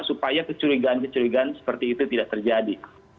supaya kecurigaan kecurigaan seperti itu tidak terjadi